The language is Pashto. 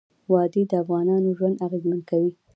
وادي د افغانانو ژوند اغېزمن کوي.